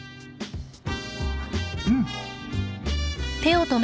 うん。